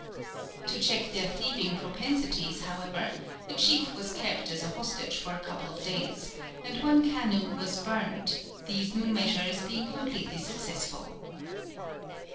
To check their thieving propensities, however, a chief was kept as a hostage for a couple of days, and one canoe was burnt, these new measures being completely successful.